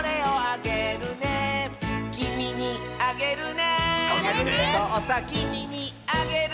「そうさきみにあげるね」